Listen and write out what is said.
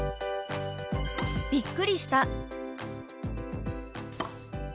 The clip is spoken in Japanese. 「びっくりした」。